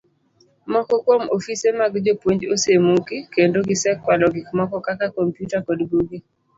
Moko kuom ofise mag jopuonj osemuki, kendo gisekwalo gik moko kaka kompyuta kod buge